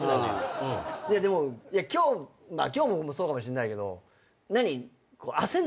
でも今日まあ今日もそうかもしんないけど何？